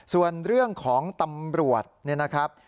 ส่วนเรื่องของตำรวจเนี่ยนะครับ